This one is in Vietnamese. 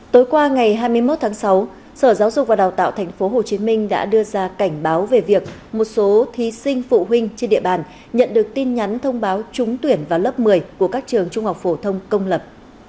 tối qua ngày hai mươi một tháng sáu sở giáo dục và đào tạo tp hcm đã đưa ra cảnh báo về việc một số thí sinh phụ huynh trên địa bàn nhận được tin nhắn thông báo trúng tuyển vào lớp một mươi của các trường trung học phổ thông công lập